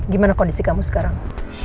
gimana kondisi kamu sekarang